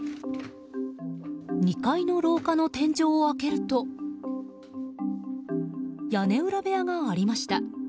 ２階の廊下の天井を開けると屋根裏部屋がありました。